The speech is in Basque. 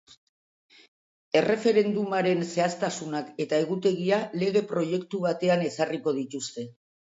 Erreferendumaren zehaztasunak eta egutegia lege proiektu batean ezarriko dituzte.